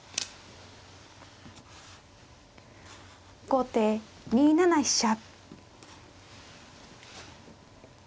後手２七飛車。